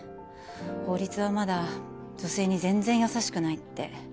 法律はまだ女性に全然優しくないって。